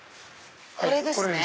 これですね。